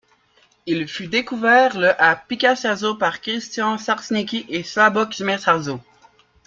Il fut découvert le à Piszkesteto par Krisztián Sárneczky et Szabolcs Mészáros.